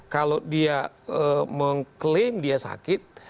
kalau dia mengklaim dia sakit